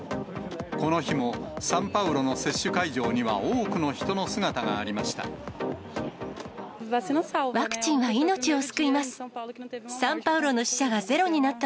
この日もサンパウロの接種会場には、多くの人の姿がありました。